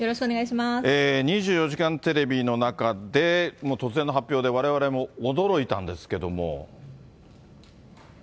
２４時間テレビの中で突然の発表で、われわれも驚いたんですけども。